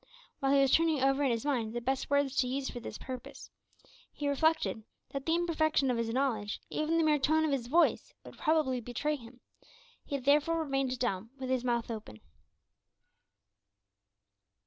While he was turning over in his mind the best words to use for this purpose he reflected that the imperfection of his knowledge, even the mere tone of his voice, would probably betray him; he therefore remained dumb, with his mouth open.